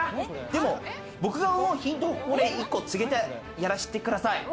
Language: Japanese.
でも僕が思うヒントをここで１個告げて、やらしてください。